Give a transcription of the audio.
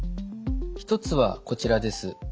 １つはこちらです。